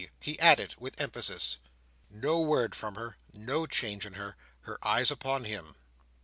he added, with emphasis. No word from her. No change in her. Her eyes upon him.